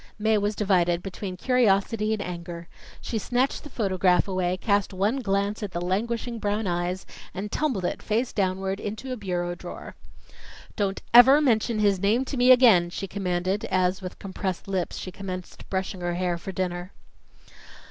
Mae was divided between curiosity and anger. She snatched the photograph away, cast one glance at the languishing brown eyes, and tumbled it, face downward, into a bureau drawer. "Don't ever mention his name to me again!" she commanded, as, with compressed lips, she commenced brushing her hair for dinner.